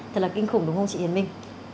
thật là kinh khủng đúng không chị hiền minh